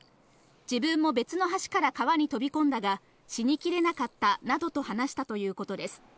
自分も別の橋から川に飛び込んだが、死にきれなかったなどと話したということです。